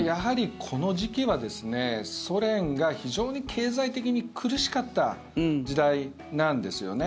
この時期はソ連が非常に経済的に苦しかった時代なんですよね。